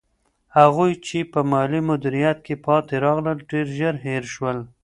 هغوی چې په مالي مدیریت کې پاتې راغلل، ډېر ژر هېر شول.